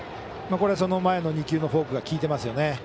これはその前の２球のフォークが効いていますよね。